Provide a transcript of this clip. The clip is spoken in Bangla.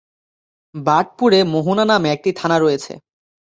বার্ডপুরে মোহনা নামে একটি থানা রয়েছে।